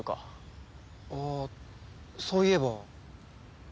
ああそういえば。